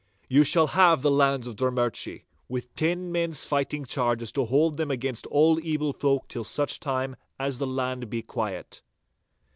You shall have the lands of Drummurchie, with ten men's fighting charges to hold them against all evil folk till such time as the land be quiet.